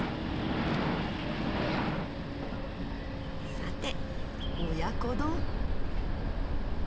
さて親子丼。